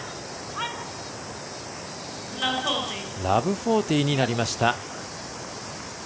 ０−４０になりました。